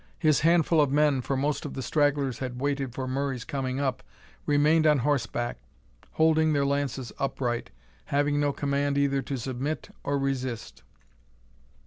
His handful of men, for most of the stragglers had waited for Murray's coming up, remained on horseback, holding their lances upright, having no command either to submit or resist.